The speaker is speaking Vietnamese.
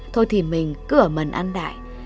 thôi thì mình cứ ở mần ăn đại